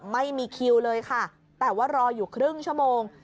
ไม่มีคิวเลยค่ะแต่ว่ารออยู่ครึ่งชั่วโมง